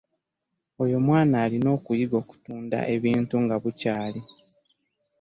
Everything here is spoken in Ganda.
Oyo omwana alina okuyiga okutunda ebintu nga obudde bukyali.